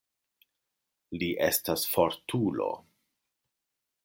Li estas fortulo.